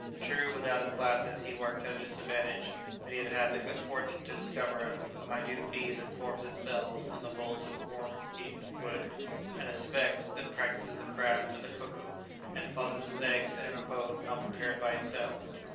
True, without his glasses he worked at a disadvantage; but he had had the good fortune to discover a minute bee that forms its cells in the holes of worm eaten wood, and a "sphex" that practises the craft of the cuckoo, and deposits its eggs in an abode not prepared by itself.